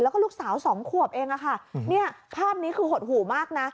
แล้วก็ลูกสาวสองขวบเองอะค่ะเนี่ยภาพนี้คือหดหู่มากนะ